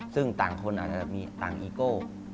ซึ่งต่างคนอาจจะมีต่างอีโก้